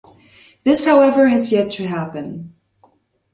This however has yet to happen.